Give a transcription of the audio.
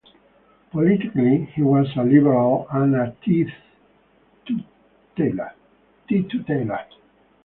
Politically he was a liberal and a teetotaler.